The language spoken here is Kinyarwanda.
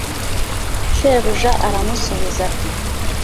shebuja aramusubiza ati